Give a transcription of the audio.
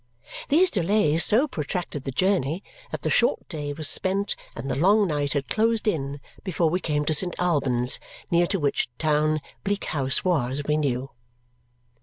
These delays so protracted the journey that the short day was spent and the long night had closed in before we came to St. Albans, near to which town Bleak House was, we knew.